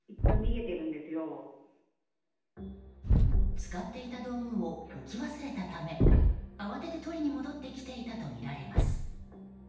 使っていた道具を置き忘れたため慌てて取りに戻ってきていたとみられます。